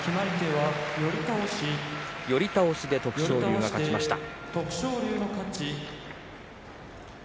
寄り倒しで徳勝龍が勝ちました。